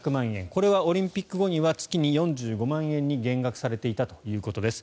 これはオリンピック後には月に４５万円に減額されていたということです。